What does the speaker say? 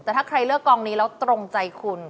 แต่ถ้าใครเลือกกองนี้แล้วตรงใจคุณ